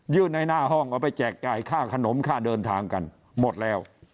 ในหน้าห้องเอาไปแจกจ่ายค่าขนมค่าเดินทางกันหมดแล้ว